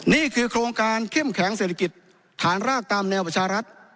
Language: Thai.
นี่คือโครงการเข้มแข็งเศรษฐกิจฐานรากตามแนวประชารัฐ